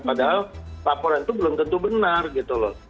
padahal laporan itu belum tentu benar gitu loh